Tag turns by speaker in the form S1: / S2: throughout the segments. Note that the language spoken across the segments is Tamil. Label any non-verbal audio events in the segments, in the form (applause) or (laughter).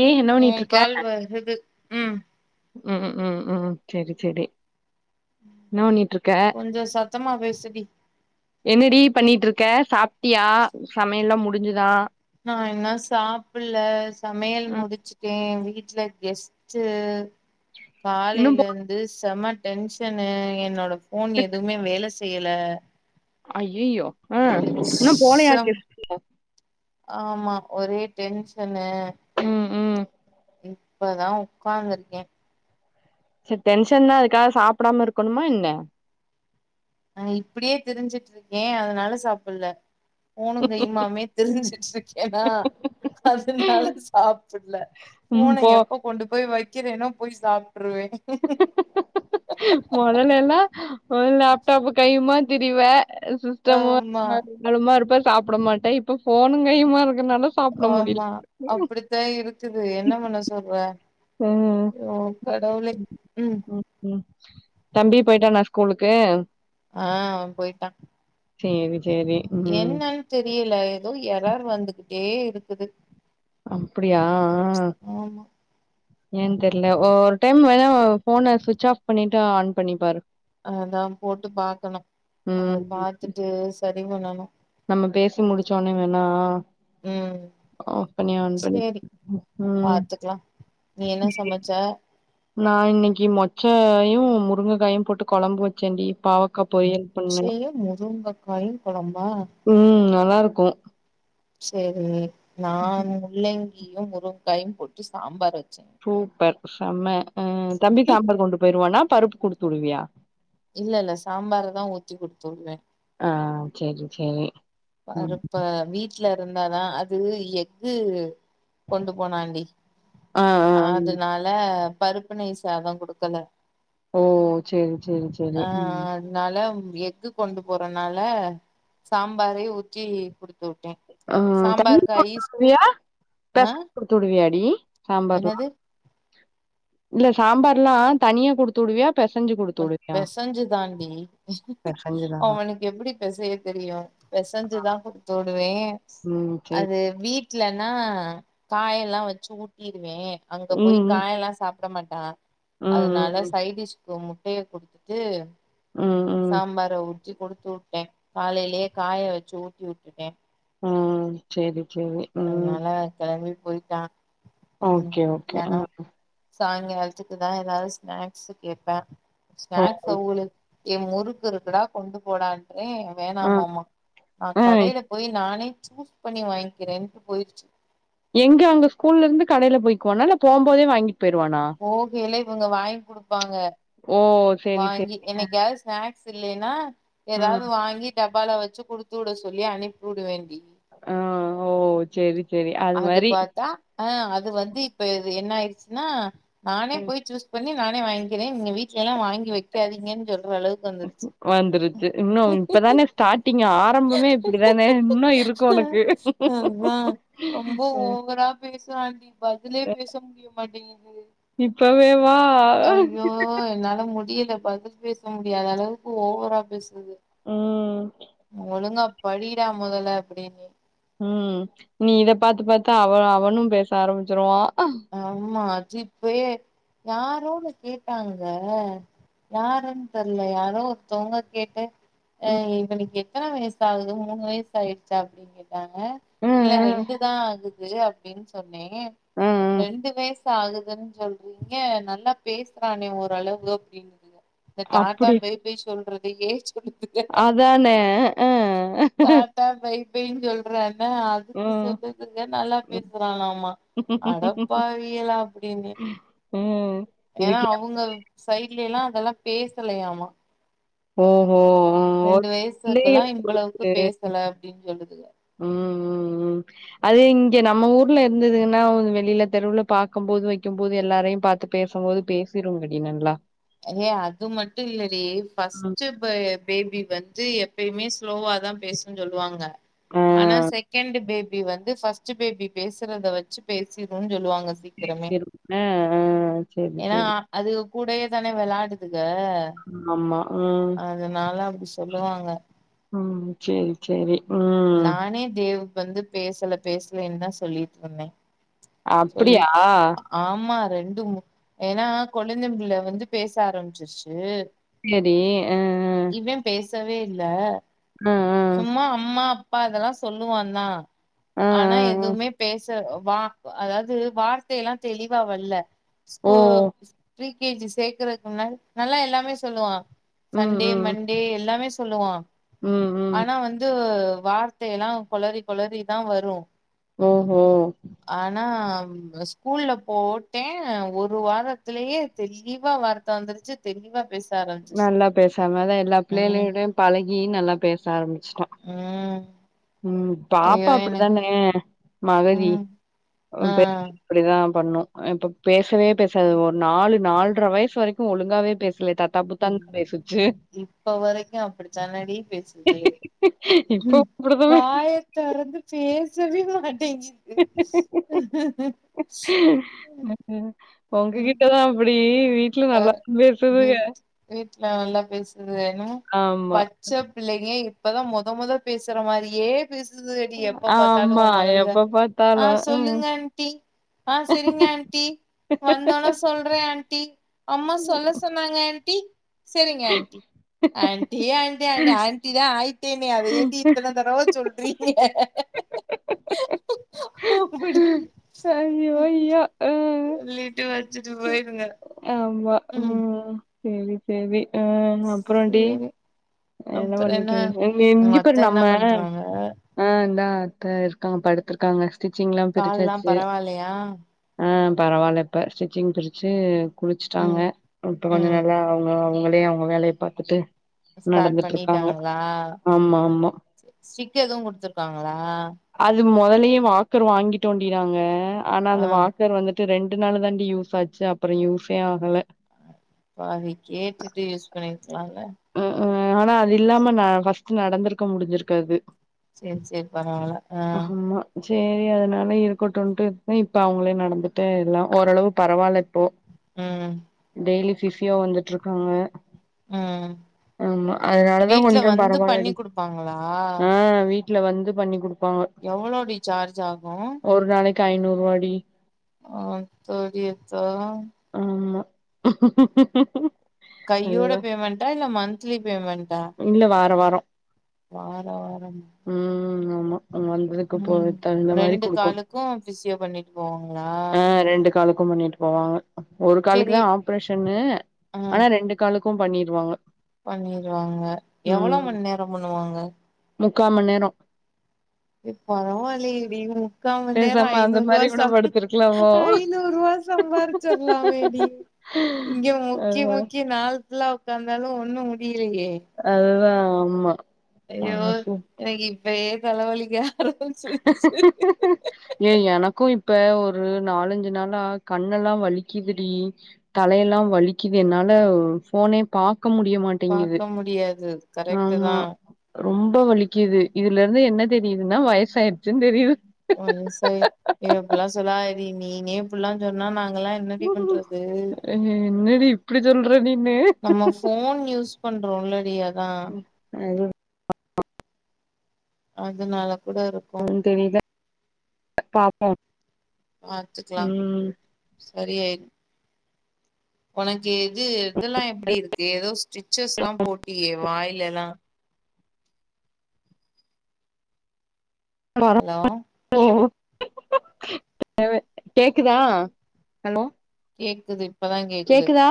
S1: ஏ என்ன
S2: உ
S1: பண்ணிட்டு இருக்க
S2: கால் வந்துது ம்
S1: ம் ம் ம் செரி செரி என்ன பண்ணிட்ருக்க
S2: த்தமா பேசுடி
S1: என்னடி பண்ணிட்ருக்க சாப்ட்டியா சமையெல்லா முடிஞ்சுதா
S2: நா இன்னு சாப்புல்ல சமையல்
S1: ம்
S2: முடிச்சுட்டேன் வீட்ல கெஸ்ட்டு
S1: இன்னு போ
S2: காலயில இருந்து செம டென்ஷன்னு என்னோட போன் எதுமே வேலை செ செய்யல
S1: அய்யய்யோ ஆ இன்னு போனையாக்கி
S2: சம்
S1: (unintelligible)
S2: ஆமா ஒரே டென்ஷனு
S1: ம் ம்
S2: இப்பதா உக்காந்துருக்கே
S1: செரி டென்ஷன்தா அதுக்காக சாப்புடாம இருக்கணுமா இன்ன
S2: நா இப்புடியே திருஞ்சுட்ருக்கே அதுனால சாப்புல்ல போனுங் கையும்மாமே தெருஞ்சுட்டு இருக்கேன்னா அதுனால சாப்புட்ல
S1: ம்
S2: போன
S1: போ
S2: எப்ப கொண்டு போய் வை வக்கிரேனோ போய் சாப்
S1: மொதலெல்லா ஒ லேப்டாப் கையுமா திரிவ சிஸ்டம்
S2: ஆமா
S1: (inaudible) இருப்ப சாப்ட மாட்ட இப்ப போனுங் கையுமா இருக்
S2: ஆமா அப்புடித்தா இருக்குது என்ன பண்ண சொல்ற
S1: ம் ம்
S2: ஓ கடவுளே ம்
S1: தம்பி பொயிட்டானா ஸ்கூலுக்கு
S2: ஆ போய்ட்டா
S1: சேரி சேரி ம்
S2: என்னன் தெரியல ஏதோ எரர் வந்துக்குட் டே இருக்குது
S1: அப்புடியா ஆ
S2: ஆமா
S1: ஏன் தெர்ல ஓ ஒர் டைம் வேணா ஃபோன சுவிட்ச்சாஃப் பண்ணிட்டு ஆன் பண்ணிப் பாரு
S2: அதா போட்டு பாக்கணு
S1: ம்
S2: அத பாத்துட்டு ச ரி பண்ணனு
S1: நம்ம பேசி முடிச்சோன்னே வேணா
S2: ம்
S1: ஆஃப் பண்ணி ஆன் பண்ணி
S2: சேரி
S1: ம் ம்
S2: பாத்துக்லா நீ என்ன சமச்ச
S1: நா இன்னக்கி மொச்சையு முருங்கைக்காயும் போட்டு கொழம்பு வெச்சேன்டி
S2: மொச்சையு முருங்கக்காயு கொழம்பா
S1: ம் நல்லா இருக்கு
S2: சேரி நா முள்ளங் கியு முருங்க்காயும் போட்டு சாம்பார் வெச்
S1: சூப்பர் சம்ம ஆ தம்பி சாம்பார் கொண்டு போயிருவானா பருப்பு குடுத்து உடுவியா
S2: இல்ல இல்ல சாம்பாருதா ஊத்திக் குடுத்து உடுவே
S1: ஆ சேரி சேரி ம்
S2: பாருப்ப வீட் ட்ல இருந்தா தா அது எக்கூ கொண்டு போனாண்டி
S1: ஆ ஆ ம்
S2: ஆதுனால பருப்பு நெய் சாதங் குடுக்கல
S1: ஓ சேரி சேரி சேரி
S2: ஆ
S1: ம்
S2: அதனால எக்கு கொண்டு போறனால சாம் பாரே ஊத்தி குடுத்
S1: ஆ தனி (inaudible)
S2: ஸ்கூ
S1: உடுவியா (inaudible)
S2: ஆ
S1: குடுத்து உடுவியாடி சாம்பார்லா
S2: என்னது
S1: இல்ல சாம்பார்லா தனியா குடுத்து உடுவியா பெசஞ்சு குடுத்து உடுவியா
S2: பெசஞ்சி தான்டி
S1: பெசஞ்சுதானா
S2: அவனுக்கு எப்டி பெசைய தெரியு பெசஞ்சு தா குடுத்து உடுவே
S1: ம் சேரி
S2: அது வீட்லன்னா காயெல்லாம் வெச்சி ஊட்டிருவே அங்க போய்
S1: ம்
S2: காயெல்லா சாப் ப்ட மாட்டா
S1: ம்
S2: அதனால
S1: ம்
S2: சைடிஷ் கு மு டைய குடுத்துட்டு
S1: ம் ம் ம்
S2: சம்பார அ ஊத் தி குடுத்து வுட்டே காலையிலயே காய வெச்சு ஊட்டி வுட்டுட்டே
S1: ம் செரி சேரி ம்
S2: போய்ட்டா
S1: ஒக்கே ஒக்கே அ
S2: சாய்ங்கால்த்துக்கு தா எதாவ்து ஸ்நாக்ஸு கேட்பா ஸ்நாக்ஸ்
S1: ஓகே
S2: அவுளுக் ஏ முறுக்கு இருக்குடா கொண்டு போடான் ன்றே
S1: ஆ
S2: வேணாமாமா நா
S1: ஆ
S2: கடைல போய் நானே சூஸ் பண்ணி வாய்ங்கிறேன் போய்ருச்சு
S1: எங்க அங்க ஸ்கூல்ல இருந்து கடைல போய்க்குவானா இல்ல போம் போதே வாங்கிட்
S2: போகேலே இவங்க வாய்ங் குடுப் பாங்க
S1: ஓ சேரி சேரி
S2: வாங்கி என்னைக்காவ்து ஸ்நாக் ஸில்லேனா
S1: ஆ ம்
S2: எதாவ்து வாங்கி டப்பால வச்சு குடுத்து வுட சொல்லி அனிப்புடுவேண்டி
S1: ஆ ஓ செரி செரி
S2: அது
S1: மாரி
S2: பாத்தா அ அது வந்து இப்ப இது என்ன ஆய்ருச் சின நானே
S1: ம்
S2: போய் சூஸ் பண்ணி நானே வாய்ங்கிறே நீ வீட்லெல்லா வாய்ங் கி வைக்காதீங்கன் சொல்ற அளவுக்கு வந்துர்ச்சு
S1: வந்துருச்சு இன்னு இப்பதானே ஸ்டார்ட்டிங் ஆரம்பமே இப்டிதானே இன்னு இருக்கு உனக்கு
S2: அதா ரொம்ப ஓவரா பேசுறாண்டி பதிலே பேச முடிய மாட்டேங்கிது
S1: இப்பவேவா
S2: அய்யோ என்னால மு டியில பதில் பேச முடியாத அளவுக்கு ஓவரா பேசு
S1: ம்
S2: (inaudible) ஒழுங்கா படிடா முதல்ல அப்புடீன்னு
S1: ம் நீ இத பாத்து பாத்து அவ அவனு பேச ஆரம்பிச்சிருவா
S2: ஆமா சி இப்பயே யாரோனு கேட்டாங்க யாருன் தெர்ல யாரோ ஒருத்தவுங்க கேட்டு அ
S1: ம்
S2: இவனுக்கெத் த்தன வயசாகுது மூணு வயஸாய்டுச்சா அப்டின் கே ட்டாங்க
S1: ம்
S2: இல்ல
S1: ம்
S2: ரெண்டு தா ஆகுது அப் டின் சொ ன்னே
S1: ம் ம்
S2: ரெண்டு வயஸ் சாகுதுன் சொல்றீங்க நல்லா பேசுறானே ஓரளவு அப்டின்ட்டு இந்த டாட்டா
S1: அப்டி
S2: பய் பய் சொல்றது ஏஜ் (inaudible)
S1: அதானே ஆ
S2: அப்டின் சொல்ற ந அதுக்கு சொல்லுதுங்க நல்லா பேசுறானாமா அடப் பாவிகளா அப்டின்னு
S1: ம்
S2: ஏன்னா
S1: இதுக்கே
S2: அவுங்க சை ட்லேல்லா அதெல்லாம் பேசலையாமா
S1: ஓ
S2: ரெண்டு வயசுக்குல்லா இவ்ளவுக்கு
S1: குடுத்து
S2: பேசல அப்டின் சொல்லுத்
S1: ம் ம் ம் அது இங்கெ நம்ம ஊர்ல இருந்துதுங்னா (unintelligible) வெளியில தெருவுல பாக்கம் போது வெக்கெம் போது எல்லாரையும் பாத்து பேசம் போது பேசிருங்கடி நல்லா
S2: ஏ அது மட்டு இல்லடி
S1: ம்
S2: ஃபஸ்ட்டு ப பேபி வந்து எப்பயுமே ஸ்லோவா தா பேசுன் சொல்லுவாங்க
S1: ஆ
S2: ஆனா செகெண்டு பே பி வந்து ஃபஸ்ட்டு பேபி பேசுறத வச்சி பேசிடுன் சொல்லுவாங்
S1: சேர் செரி ஆ ஆ செரி
S2: ஏன்னா
S1: செரி
S2: அது கூடயே தான வெளாடுது
S1: ஆமா ம்
S2: அதனால அப்டி சொல்லுவாங்க
S1: ம் சேரி சேரி ம்
S2: நானே தேவ் வந்து பேசல பேசலைன்தா சொல்லிட்ருந்தே
S1: அப்டியா
S2: ண்டும் ஏன்னா கொழுந்தம் பிள்ள வந்து பேச ஆரம்பிச்சிருச்சு
S1: சேரி ஆ ஆ
S2: சவே இல்ல சும்மா அம்மா அப்பா அதெல்லா சொல்லுவா தா
S1: ஆ ஆ ஆ
S2: ஆனா
S1: ஆ
S2: எதுவுமே பேஸ் து வா அதாவது வார்த்தை எல்லா தெளிவா வல்ல ஸ்பூ
S1: ஓ
S2: ஸ்பீ கே ஜி சேர்க்கறக்கு நல்லா எல்லாமே சொல்லுவா
S1: ம்
S2: சண்டே
S1: ம்
S2: மண்டே எல்லாமே சொல்லுவா
S1: ம் ம்
S2: ஆனா வந்து வார்த்தை எல்லா கொளறி கொளறிதா வரும்
S1: ம் ம்
S2: ம் ப ஸ்கூல்ல போட்டே ஒரு வாரத்துலயே தெளிவா வார்த்த வந்துருச்சு தெளிவா பேஸ்
S1: நல்லா பேசாமதா எல்லா
S2: ம்
S1: பிள்ளைளுடையு பழக் இ நல்லா பேச ஆரம்பி ஷ்டோ
S2: ம்
S1: ம் பாப்பா
S2: ஐயோ எனக்கு
S1: அப்புடித்தானே மகதி
S2: ம் ஆ
S1: (unintelligible) ப்புடிதா பண்ணும் இப்ப பேசவே பேசாது ஒரு நாலு நாலரை வயசு வரைக்கும் ஒழுங்காவே பேஸ் ல்லே தாத்தா புத்தான்னு
S2: இப்
S1: பேசிச்சு
S2: இப்ப வரைக்கு அப்படித்தானடி
S1: இப்போ
S2: வாயத் தறந்துசு பேசவே மாட்
S1: (unintelligible) உங்க
S2: ம்
S1: கிட்டதா அப்புட் பே
S2: அ வீட் வீட்ல நல்லா பேசுதுங்க ஏன்னமோ
S1: ஆமா
S2: பச்ச பிள்ளைங்க இப்பதா மொத மொத பேசுற மாரியே பேசுது அது எப்ப பாத்தாலும்
S1: ஆமா
S2: உன் மகளுக
S1: எப்ப
S2: ஆ
S1: பாத்தாலு
S2: சொல்லுங்க ஆன்ட்டி ஆ சரிங்க ஆன்ட்டி வந்தானா சொல்றேன் ஆன்ட்டி அம்மா சொல்ல சொன்னாங்க ஆன் ட்டி சேரிங்க ஆன்டி ஆன்டி ஆன் என்ன ஆன்டினு ஆ ஆயிட்டே மே அத ஏண்டி இத்தன தடவ சொல்றீங்க
S1: ம்
S2: அப்புடின்னு
S1: ஐயோ! ஐயோ! அ.
S2: சொல்லிட்டு வச்சுட்டு போயிருங்க
S1: ஆமா ம் செரி அ அப்றோம் டி
S2: சேரி
S1: என்ன பண்ணிட்டு இ
S2: உங்க
S1: இங்க பாரு
S2: அத்த என்ன
S1: நம்ம
S2: பண்றாங்க
S1: ஆ இந்தா அத்த இருக்காங்க படுத்துருக்காங்க ஸ்டிச்சிங் லா
S2: கால்லா
S1: பிரிச்சாச்சி
S2: பரவால்லையா
S1: ஆ பரவால்ல இப்ப ஸ்டிச்சிங் பிரிச்சு குளிச்சிட்டாங்க
S2: ம்
S1: இப்ப கொஞ்ச
S2: ம்
S1: நல்லா அவங் அவங்களே அவங்க வேலைய பாத்துட்டு
S2: ஸ்டார்ட்
S1: நடந்துட்ருக்காங்க.
S2: பண்ணிட்டாங்களா
S1: ஆமா, ஆமா.
S2: ஸ்டிக் எதுவு குடுத்துருக்காங்களா
S1: அது மொதலயே வாக்கர் வாங்கிட்டோண்டி நாங்க ஆனா
S2: ஆ
S1: அந்த வாக்கர் வந்து ட்டு ரெண்டு நாள் தாண்டி யூஸ் ஆச்சி அப்பறம் யூஸே ஆகல
S2: பாவி கேட்டுட்டு யூஸ் பண்ணி க்ளால்ல
S1: ம் ஆனா அது இல்லாம நா ஃபர்ஸ்ட் நடந்திருக்க முடிஞ்சிருக்காது
S2: செரி செரி பரவால்ல அ
S1: ஆமா சேரி அதனால இருக்குட்டுன்ட்டு இப்ப அவங்களே நடந்துட்டு எல்லா ஓரளவு பரவால்ல ரோ
S2: ம்
S1: டெய்லி ஃபிசியோ வந்துட்டு இருக்காங்க
S2: ம்
S1: ஆமா அதனாலதா
S2: வீட்ல
S1: கொஞ்சோ
S2: வந்து
S1: பரவாலடி
S2: பண்ணி குடுப்பாங்களா
S1: ஆ வீட் ட்ல வந்து பண்ணி குடு
S2: எவ்ளோ டி சார்ஜ் ஆகு
S1: க் ஐநூறுவாடி
S2: ஆத்தாடியத்தா
S1: ஆமா
S2: கையோட
S1: அதுதா
S2: பேமெண்டா இல்ல மந்திலி பேமெண்டா
S1: அ
S2: வார வாரம்
S1: ம் ஆம்மா (unintelligible) வந்ததுக்கு போய்
S2: ம்
S1: தகுந்த மாரி
S2: ரெண்டு
S1: குடுக்கோன்
S2: காலுக்கு பிசியோ பண்ணிட்டு போவாங்களா
S1: அ ரெண்டு காலுக்கு பண்ணிட்டு போவாங்க ஒரு
S2: செரி
S1: காலுக்குதா ஆப்ரேஷன்னு
S2: ஆ
S1: ஆனா ரெண்டு காலு கு பண்ணிருவாங்க
S2: பண்ணிருவாங்க எவளோ மண் நேரோ மண்ணுவாங்க
S1: முக்காம்மண்நேரோ
S2: எ பரவால்லியேடி ம் க்காம் மண் நேரோ
S1: பேசாம அந்த
S2: ஐநூறுவா
S1: மாரி கூட
S2: சம்
S1: படுத்திருக்கலாமோ
S2: ஐநூர்ருவா சம்பாரிச்சர்லாமேடி இங்க முக்கி
S1: அதா
S2: முக்கி நாள் ஃபுல்லா உக்காந்தாலு ஒண்ணு முடி
S1: அதுதா ஆம்மா
S2: அய்யோ எனக்கு இப் ஒரே தலவலிக்கா
S1: ஏய் எனக்கு இப் இப்ப ஒரு நாலஞ்சு நாளா கண்ணெல்லா வலிக்குதுடி தலையெல்லா வலிக்குது என்னால ஃபோனே பாக் க்க முடியமாட்டேங்குது
S2: கரெக்ட்டு தா
S1: ரொம்ப வலிக்கிது இதுலேர்ந்து என்ன தெரியுதுன்னா வயசாயிடுச்சுன் தெரிது
S2: (unintelligible) ஏ அப்புல்லா சொல்லதடி நீனே இப்புல்லா சொன்னா நாங்
S1: என்னடி இப்டி சொல்ற நீனு
S2: தோண்லடி அ
S1: ம் (inaudible)
S2: அதுனால கூட இருக்கு
S1: தெரியல பாப்போ
S2: பாத்துக்கலா
S1: ம்
S2: சரியாயி உனக்கு எது இதெல்லா எப்டி இருக்கு ஏதோ ஸ்டிச்சர்ஸ் லா போட்டியே வாயில எல்லா
S1: பரவ
S2: ஹலோ
S1: கேக்குதா ஹலோ
S2: கேக்குது இப்பதா கேக்குது
S1: கேக்குதா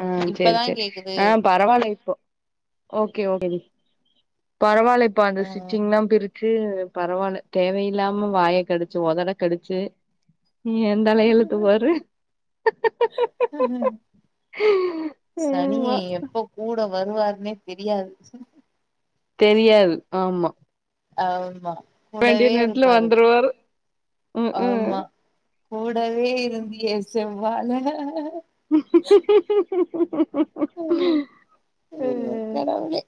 S1: ஆ செரி
S2: இப்பதா
S1: செரி
S2: கேக்குது
S1: ஆ பரவால்ல இப்போ ஓகே ஓகே டி பரவா ல்ல இப்ப அந்த ஸ்டிச்சிங்லா பிரிச் ட்டு பரவால்ல தேவயில்லாம வாய கடிச்சு ஒதட கடிச்சு ஏந் தல எழுத்து பாரு
S2: சனிய
S1: ஆமா
S2: எப்ப கூட வருவாருன்னே தெரியாது
S1: தெரியாது ஆமா
S2: ஆமா
S1: வேண்டிய
S2: கூடவே
S1: நேரத்துல
S2: இருப்பாரு
S1: வந்துருவார் ம் ம்
S2: கோல் டவே இருந்தியே செம் வாழல
S1: (inaudible) (inaudible)
S2: ம் ஐயோ கடவுளே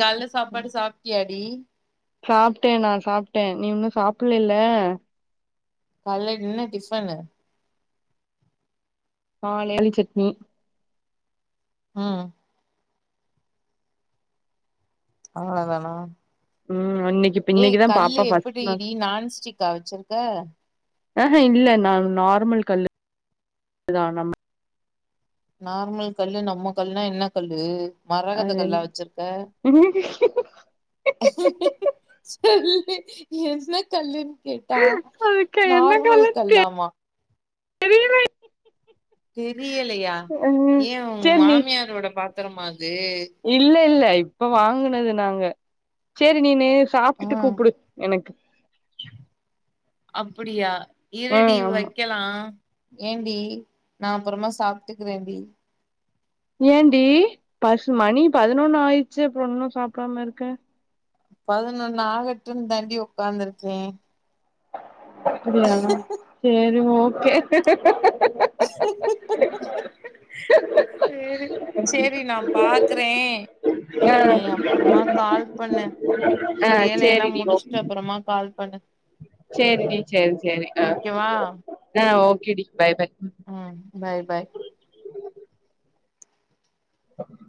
S2: கால்ல சாப்பாடு சாப்ட்டியா டி
S1: சாப்ட்டே நா சாப்ட்டே நீ இன்னு சாப்பலல
S2: கால்ல என்ன டிஃபனு
S1: காலைல சட்னி
S2: ம் அவ்ளதானா
S1: ம் இன்னைக்கு இப்ப
S2: ஏய்
S1: இன்னைக்குதா பாப்பா
S2: கல்லு
S1: ஃபர்ஸ்ட்
S2: எப்படி
S1: நாள்
S2: டி நான்ஸ்டிக்கா வச்சிருக்க
S1: ஆஹ இல்ல நா நார்மல் கல்லுதா நம்ம
S2: நார்மல் கல்லு நம்ம கல்லுனா என்ன கல்லு
S1: அது என்
S2: மரகதக்கல்லா வச்சிருக்க சொல்லு என்ன கல்லு கேட்டா
S1: அதுக்கு
S2: நார்மல் கல்லாமா
S1: ரில
S2: தெரியலையா
S1: ம்
S2: ஏ உங்க
S1: சேரி நீ
S2: மாமியாரோட பாத்திரமா அது
S1: இல்ல இல்ல இப்ப வாங்கனது நாங்க சேரி நீனு சாப்ட்டுட்டு கூப்பிடு எனக்கு
S2: அப்படியா இருடி
S1: ம் ஆமா
S2: வைக்கலா ஏன்டி நா அப்புறமா சாப்ட்டுக்கிறேன்டி
S1: ஏன்டி பசு மணி பதினொன்னு ஆயிடுச்சு அப்புறம் இன்னு சாப்பிடாம இருக்க
S2: பதினொன்னு ஆகட்டுன்னு தாண்டி ஒக்காந்துருக்கே
S1: அ சேரி ஓ கே
S2: சேரி சேரி நா பாக்குறே
S1: ஆ
S2: நீ அப்புறமா கால் பண்ணு
S1: ஆ
S2: வேலெல்லா
S1: சேரிடி
S2: முடிச்சுட்டு
S1: ஓகே
S2: அப்புறமா கால் பண்ணு
S1: சேரிடி சேரி சேரி ஆ
S2: வைக்கவா
S1: ஆ ஓக் கேடி பாய் பாய்
S2: அம் பாய் பாய்
S1: ம்